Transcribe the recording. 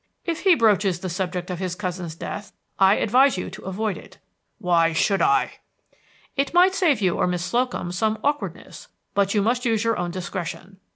"If he broaches the subject of his cousin's death, I advise you to avoid it." "Why should I?" "It might save you or Miss Slocum some awkwardness, but you must use your own discretion.